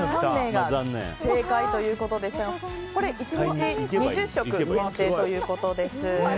スタジオの３名が正解ということでしたけど１日２０食限定ということです。